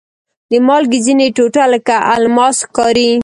د مالګې ځینې ټوټې لکه الماس ښکاري.